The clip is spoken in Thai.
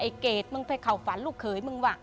เกรดมึงไปเข้าฝันลูกเขยมึงว่ะ